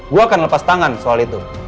gue akan lepas tangan soal itu